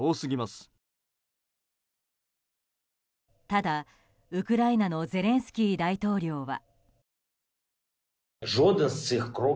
ただ、ウクライナのゼレンスキー大統領は。